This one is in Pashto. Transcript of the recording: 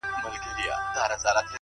• خبرېږم زه راته ښېراوي كوې ـ